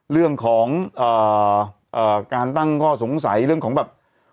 เรื่องของการตั้งข้อสงสัยเรื่องของแบบ